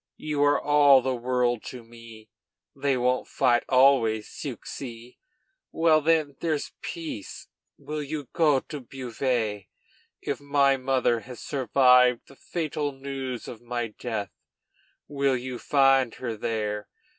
you are all the world to me. They won't fight always, 'ceux ci.' Well, when there's peace, will you go to Beauvais? If my mother has survived the fatal news of my death, you will find her there.